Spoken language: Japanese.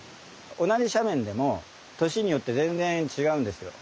同じ斜面でも年によって全然違うんですよ。